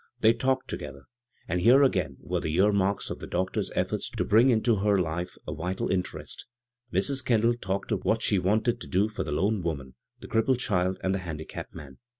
They talked to gether ; and here again were the ear marks of the doctor's efforts to bring into her life a vital interest — Mrs. Kendall talked of what she wanted to do for the lone woman, the crippled child, and the handicapped man.